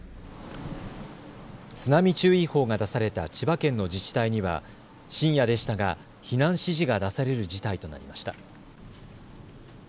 津波注意報が出された千葉県の自治体には深夜でしたが避難指示が出される事態となりました。